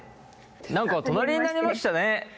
何か隣になりましたね。